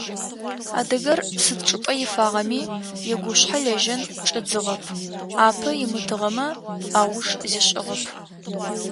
Адыгэр сыд чӏыпӏэ ифагъэми игушъхьэ лэжьэн чӏидзыгъэп, апэ имытыгъэмэ, ауж зишӏыгъэп.